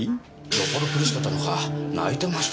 よっぽど苦しかったのか泣いてましてね。